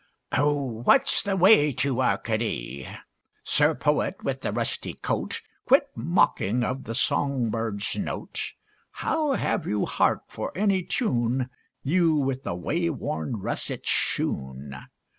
Oh, what's the way to Arcady? Sir Poet, with the rusty coat, Quit mocking of the song bird's note. How have you heart for any tune, You with the wayworn russet shoon?